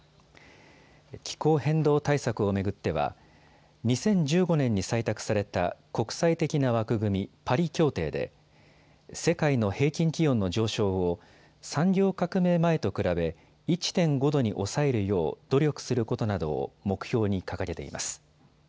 気候変動対策を巡っては、２０１５年に採択された国際的な枠組み、パリ協定で世界の平均気温の上昇を産業革命前と比べ１．５度に抑えるよう努力することなどを目標に掲げています。